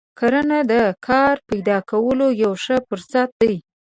کرنه د کار پیدا کولو یو ښه فرصت دی.